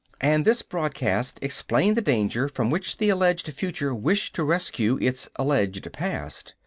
And this broadcast explained the danger from which the alleged future wished to rescue its alleged past.